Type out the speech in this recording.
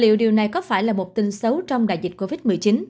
liệu điều này có phải là một tin xấu trong đại dịch covid một mươi chín